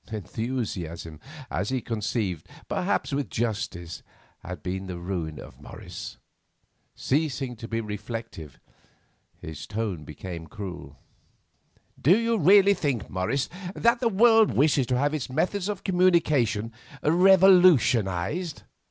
Enthusiasm, as he conceived, perhaps with justice, had been the ruin of Morris. Ceasing to be reflective, his tone became cruel. "Do you really think, Morris, that the world wishes to have its methods of communication revolutionised?